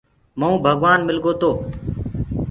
مئونٚ ڀگوآن مِلگو تو